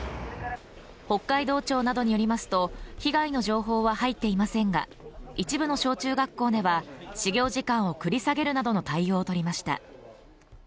北海道庁などによりますと、被害の情報は入っていませんが、一部の小・中学校では、始業時間を繰り下げるなどの対応をとりました。